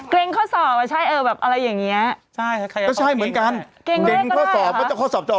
เกรงข้อสอบอะไรอย่างเงี้ยเกรงข้อสอบเกรงข้อสอบเกรงข้อสอบ